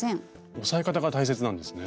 押さえ方が大切なんですね。